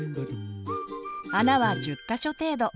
穴は１０か所程度。